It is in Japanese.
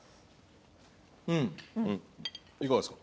いかがですか？